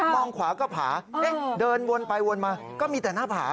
ขวาก็ผาเดินวนไปวนมาก็มีแต่หน้าผา